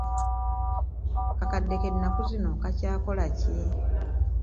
Akakadde k'ennaku zino kakyakola ki?